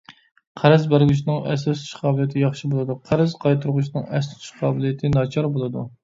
قەرز بەرگۈچىنىڭ ئەستە تۇتۇش قابىلىيىتى ياخشى بولىدۇ، قەرز قايتۇرغۇچىنىڭ ئەستە تۇتۇش قابىلىيىتى ناچار بولىدۇ.